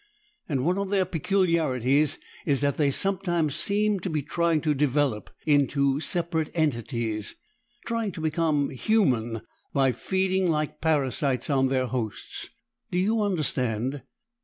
And one of their peculiarities is that they sometimes seem to be trying to develop into separate entities, trying to become human by feeding like parasites on their hosts. Do you understand?"